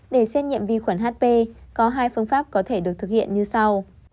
để xét nghiệm vi khuẩn hp có hai phương pháp có thể được thực hiện như sau